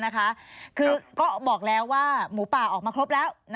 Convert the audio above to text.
ก็บอกว่ามนต์หมู่ป่าออกมาครบแล้ว